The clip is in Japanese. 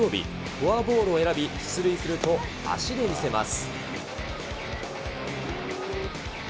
フォアボールを選び出塁すると、足で見せます。